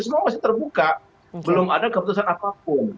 semua masih terbuka belum ada keputusan apapun